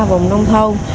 vùng nông thôn